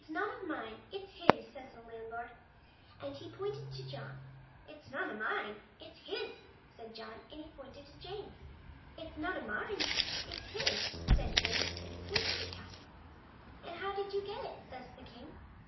It's none of mine, it's his," said the landlord, and he pointed to John. " It's none of mine, it's his," said John, and he pointed to James. " It's none of mine, it's his," said James, and he pointed to Caspar. " And how did you get it?" says the king.